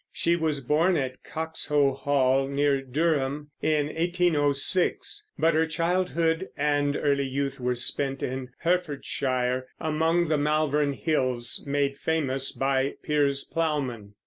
She was born at Coxhoe Hall, near Durham, in 1806; but her childhood and early youth were spent in Herefordshire, among the Malvern Hills made famous by Piers Plowman.